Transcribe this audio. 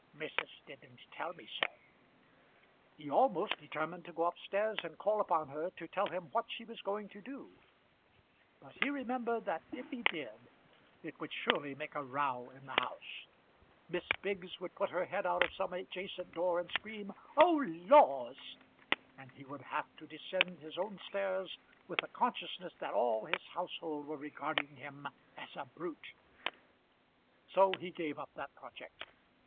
"Missus didn't tell me, sir." He almost determined to go up stairs and call upon her to tell him what she was going to do, but he remembered that if he did it would surely make a row in the house. Miss Biggs would put her head out of some adjacent door and scream, "Oh laws!" and he would have to descend his own stairs with the consciousness that all his household were regarding him as a brute. So he gave up that project.